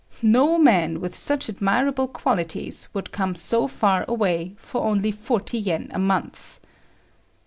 No man with such admirable qualities would come so far away for only 40 yen a month!